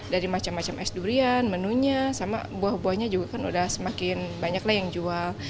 dari macam macam es durian menunya sama buah buahnya juga kan udah semakin banyak lah yang jual